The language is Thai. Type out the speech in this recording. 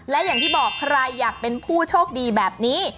และอย่างที่บอกใครอยากเป็นผู้โชคดีแบบนี้